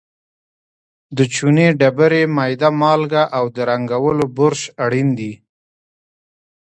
د چونې ډبرې، میده مالګه او د رنګولو برش اړین دي.